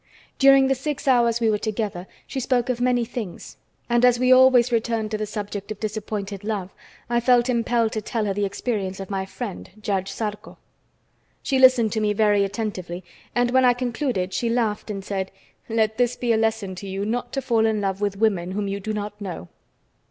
During the six hours we were together she spoke of many things, and as we always returned to the subject of disappointed love, I felt impelled to tell her the experience of my friend, Judge Zarco. She listened to me very attentively and when I concluded she laughed and said: "Let this be a lesson to you not to fall in love with women whom you do not know."